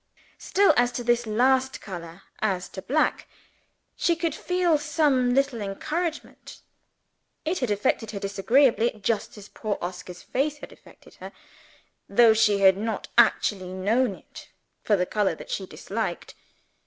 Still, as to this last color as to black she could feel some little encouragement. It had affected her disagreeably (just as poor Oscar's face had affected her), though she had not actually known it for the color that she disliked.